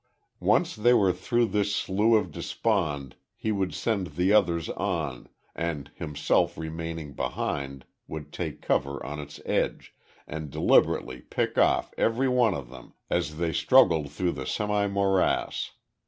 Once they were through this slough of despond he would send the others on, and himself remaining behind would take cover on its edge, and deliberately pick off every one of them as they struggled through the semi morass.